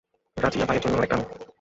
রাজিয়াবাইয়ের জন্য একটা আনো।